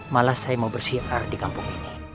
malah saya mau bersih air di kampung ini